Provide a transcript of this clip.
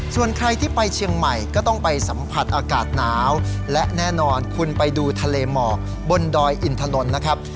ส่วนใครที่ไปเชียงใหม่ก็ต้องไปสัมผัสอากาศหนาวและแน่นอนคุณไปดูทะเลหมอกบนดอยอินถนนนะครับ